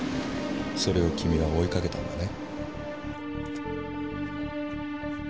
〔それを君は追いかけたんだね〕